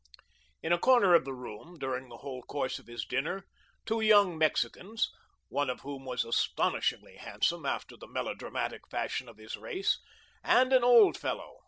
In a corner of the room, during the whole course of his dinner, two young Mexicans (one of whom was astonishingly handsome, after the melodramatic fashion of his race) and an old fellow!